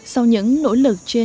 sau những nỗi đau khổ